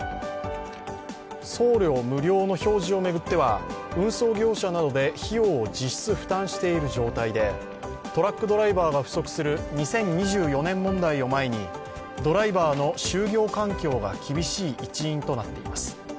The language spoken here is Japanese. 送料無料の表示を巡っては、運送業者などで費用を実質負担している状態でトラックドライバーが不足する２０２４年問題を前に、ドライバーの就業環境が厳しい一因となっています。